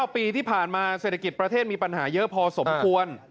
ปีที่ผ่านมาเศรษฐกิจประเทศมีปัญหาเยอะพอสมควร